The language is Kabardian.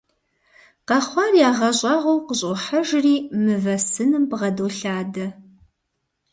Къэхъуар ягъэщӏагъуэу къыщӏохьэжри мывэ сыным бгъэдолъадэ.